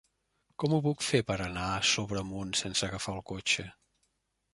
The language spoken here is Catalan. Com ho puc fer per anar a Sobremunt sense agafar el cotxe?